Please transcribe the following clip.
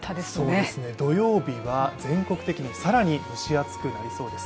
そうですね、土曜日は全国的に更に蒸し暑くなりそうです。